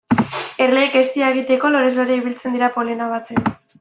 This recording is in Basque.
Erleek eztia egiteko lorez lore ibiltzen dira polena batzen.